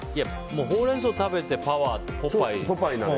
ホウレンソウを食べてパワー、ポパイなのよ。